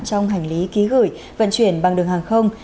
trong hành lý ký gửi vận chuyển bằng đường hàng không